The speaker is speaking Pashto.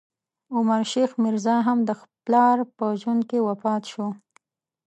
عمر شیخ میرزا، هم د پلار په ژوند کې وفات شو.